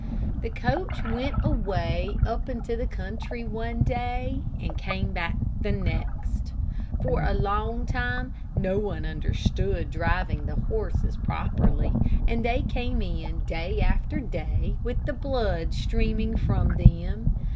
The coach went away up into the country one day, and came back the next. For a long time no one understood driving the horses properly, and they came in day after day with the blood streaming from them.